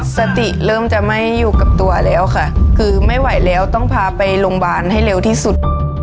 สติเริ่มจะไม่อยู่กับตัวแล้วค่ะคือไม่ไหวแล้วต้องพาไปโรงพยาบาลให้เร็วที่สุด